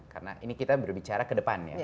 karena ini kita berbicara ke depan ya